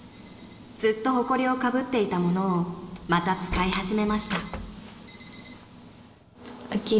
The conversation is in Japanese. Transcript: ［ずっとほこりをかぶっていたものをまた使い始めました］